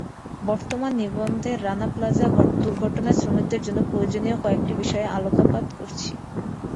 বর্তমান নিবন্ধে রানা প্লাজা দুর্ঘটনার শ্রমিকদের জন্য প্রয়োজনীয় কয়েকটি বিষয়ে আলোকপাত করছি।